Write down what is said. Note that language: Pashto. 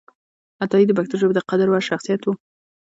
عطایي د پښتو ژبې د قدر وړ شخصیت و